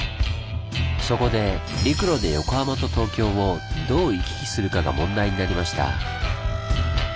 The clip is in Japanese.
そこで陸路で横浜と東京をどう行き来するかが問題になりました。